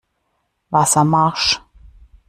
Wasser marsch!